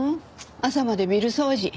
朝までビル掃除。